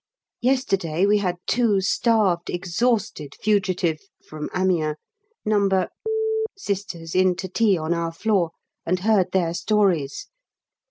Yesterday we had two starved, exhausted, fugitive (from Amiens) No. Sisters in to tea on our floor, and heard their stories.